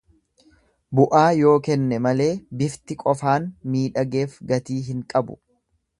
Bu'aa yoo kenne malee bifti qofaan miidhageef gatii hin qabu.